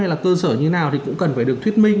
hay là cơ sở như nào thì cũng cần phải được thuyết minh